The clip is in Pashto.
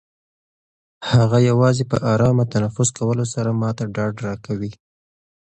هغه یوازې په ارامه تنفس کولو سره ما ته ډاډ راکوي.